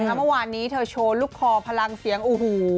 เมื่อวานนี้เธอโชว์ลูกคอพลังเสียงโอ้โห